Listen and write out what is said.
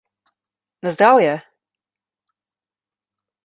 Na zdravje!